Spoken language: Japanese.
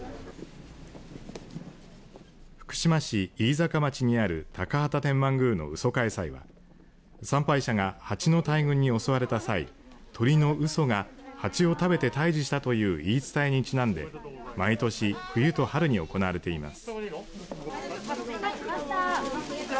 福島市飯坂町にある高畑天満宮のうそかえ祭は参拝者が蜂の大群に襲われた際鳥の鷽が蜂を食べて退治したという言い伝えにちなんで毎年、冬と春に行われています。